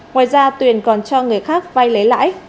ngoài ra tuyền còn cho người khác vay lấy lãi